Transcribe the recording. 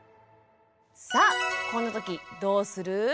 さあこんな時どうする？